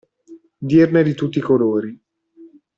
Dirne di tutti i colori.